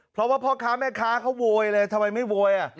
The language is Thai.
เพราะว่าพ่อค้าแม่ค้าเขาโวยเลยทำไมไม่โวย